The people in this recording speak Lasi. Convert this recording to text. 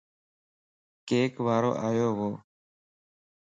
ڪيڪ وارو آيووَ